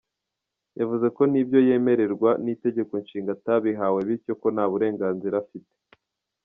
Yavuze ko n’ibyo yemererwa n’Itegeko Nshinga atabihawe bityo ko nta burenganzira afite.